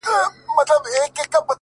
• څوک وايي نر دی څوک وايي ښځه,